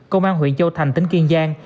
công an huyện châu thành tỉnh kiên giang